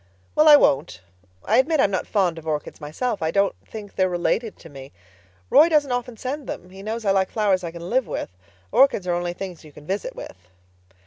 "Well, I won't. I admit I'm not fond of orchids myself. I don't think they're related to me. Roy doesn't often send them—he knows I like flowers I can live with. Orchids are only things you can visit with."